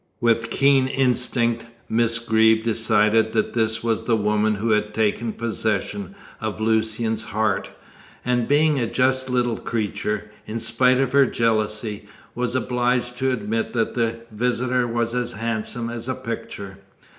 With keen instinct, Miss Greeb decided that this was the woman who had taken possession of Lucian's heart, and being a just little creature, in spite of her jealousy, was obliged to admit that the visitor was as handsome as a picture.